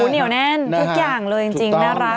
เหนียวแน่นทุกอย่างเลยจริงน่ารัก